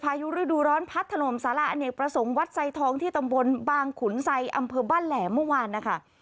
พายุฤดูร้อนพัดถล่มสาระอเนกประสงค์วัดไซทองที่ตำบลบางขุนไซอำเภอบ้านแหลมเมื่อวานนะคะ